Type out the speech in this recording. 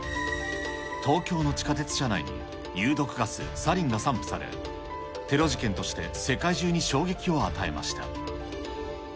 東京の地下鉄車内に有毒ガス、サリンが散布され、テロ事件として、世界中に衝撃を与えました。